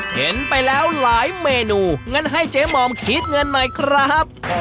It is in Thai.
เห็นไปแล้วหลายเมนูงั้นให้เจ๊หม่อมคิดเงินหน่อยครับ